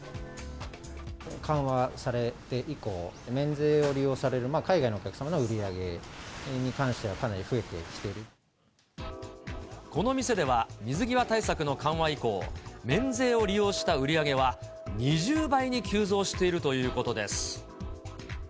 緩和されて以降、免税を利用される、海外のお客様の売り上げに関しては、かなり増えてきていこの店では、水際対策の緩和以降、免税を利用した売り上げは、２０倍に急増しているということです。